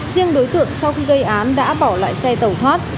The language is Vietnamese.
riêng đối tượng sau khi gây án đã bỏ lại xe tẩu thoát